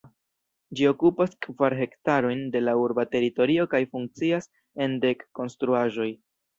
Ĝi okupas kvar hektarojn de la urba teritorio kaj funkcias en dek konstruaĵoj.